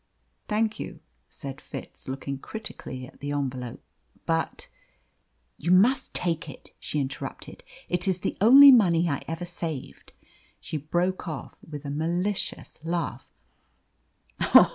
"Thank you," said Fitz, looking critically at the envelope. "But " "You must take it," she interrupted; "it is the only money I ever saved." She broke off with a malicious laugh.